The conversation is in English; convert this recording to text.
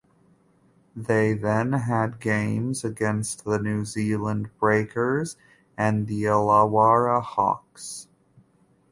They then had games against the New Zealand Breakers and the Illawarra Hawks.